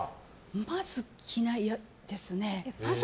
まず着ないですね。